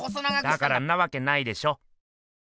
だからんなわけないでしょ。